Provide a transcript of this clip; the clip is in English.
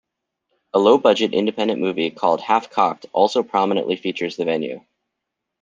A low-budget independent movie called "Half-Cocked" also prominently features the venue.